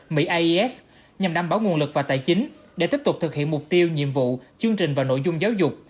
mỹ ais nhằm đảm bảo nguồn lực và tài chính để tiếp tục thực hiện mục tiêu nhiệm vụ chương trình và nội dung giáo dục